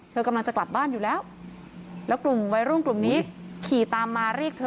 กำลังจะกลับบ้านอยู่แล้วแล้วกลุ่มวัยรุ่นกลุ่มนี้ขี่ตามมาเรียกเธอ